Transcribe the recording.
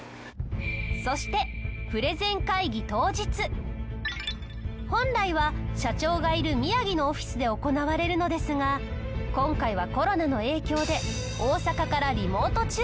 そして本来は社長がいる宮城のオフィスで行われるのですが今回はコロナの影響で大阪からリモート中継。